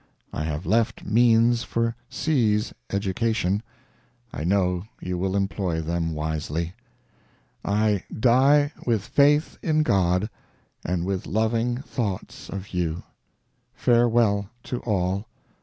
I have left means for C's education; I know you will employ them wisely. I die with faith in God, and with loving thoughts of you. Farewell to all.